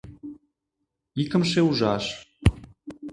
Икымше ужаш